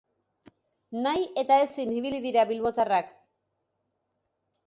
Nahi eta ezin ibili dira bilbotarrak.